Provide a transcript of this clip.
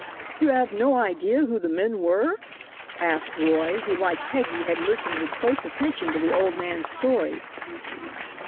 "You have no idea who the men were?" asked Roy who, like Peggy, had listened with close attention to the old man's story.